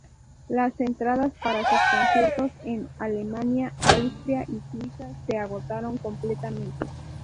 Las entradas para sus conciertos en Alemania, Austria y Suiza se agotaron completamente.